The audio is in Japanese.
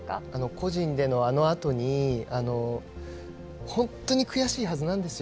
個人でのあのあとに本当に悔しいはずなんですよ。